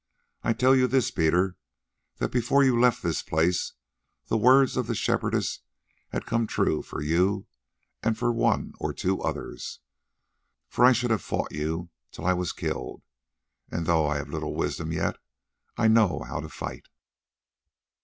"I tell you this, Peter, that before you left this place the words of the Shepherdess had come true for you and one or two others, for I should have fought you till I was killed, and though I have little wisdom yet I know how to fight."